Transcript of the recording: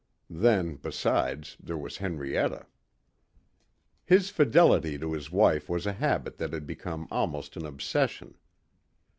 Then besides, there was Henrietta. His fidelity to his wife was a habit that had become almost an obsession.